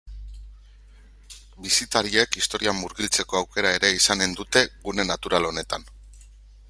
Bisitariek historian murgiltzeko aukera ere izanen dute gune natural honetan.